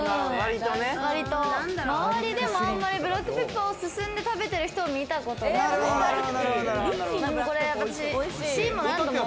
周りでもあんまりブラックペッパーを進んで食べてる人を見たことがない。